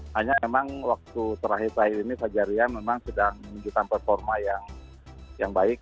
hanya memang waktu terakhir terakhir ini fajarian memang sedang menunjukkan performa yang yang baik